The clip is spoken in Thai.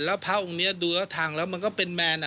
แล้วพระองค์นี้ดูแล้วทางแล้วมันก็เป็นแมน